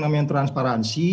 apa itu namanya transparansi